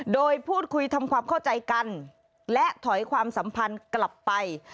โดยพูดคุยทำความเข้าใจกันและถอยความสัมพันธ์กลับไป